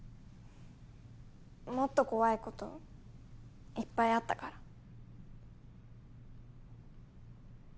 もっと怖いこといっぱいあったから。